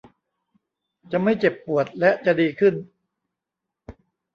จะไม่เจ็บปวดและจะดีขึ้น